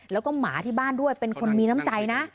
แล้วก็หมาที่บ้านด้วยเป็นคนมีน้ำใจนะ